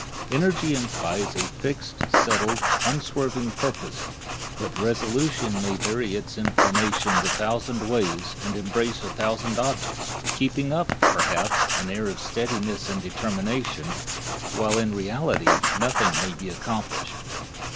Energy implies a fixed, settled, and unswerving purpose; but resolution may vary its inclination a thousand ways and embrace a thousand objects, keeping up, perhaps, an air of steadiness and determination, while, in reality, nothing may be accomplished.